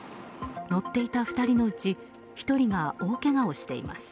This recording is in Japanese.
乗っていた２人のうち１人が大けがをしています。